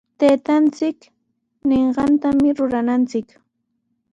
Taytanchik ninqantami rurananchik.